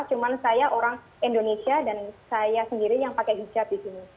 cuma saya orang indonesia dan saya sendiri yang pakai hijab di sini